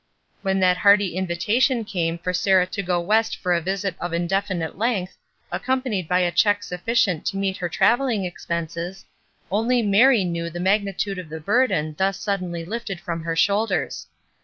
When that hearty invitation came for Sarah to go West for a visit of indefinite length, accompanied by a check sufficient to meet her travelling expenses, only Mary knew the magnitude of the burden thus suddenly lifted from her shoulders.